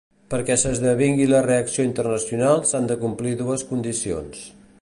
Perquè s’esdevingui la reacció internacional s’han de complir dues condicions.